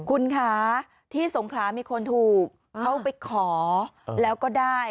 คุณคะที่สงขลามีคนถูกเขาไปขอแล้วก็ได้